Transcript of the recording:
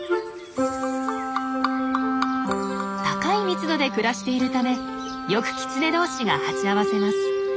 高い密度で暮らしているためよくキツネ同士が鉢合わせます。